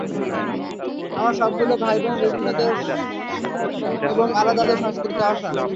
আমার সবগুলো ভাইবোন বিভিন্ন দেশ এবং আলাদা আলাদা সংস্কৃতি থেকে আসা।